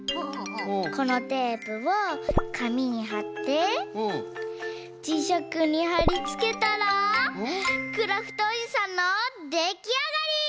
このテープをかみにはってじしゃくにはりつけたらクラフトおじさんのできあがり！